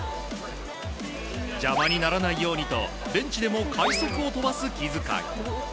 邪魔にならないようにとベンチでも快足を飛ばす気遣い。